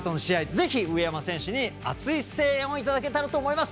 ぜひ、上山選手に熱い声援をいただけたらと思います。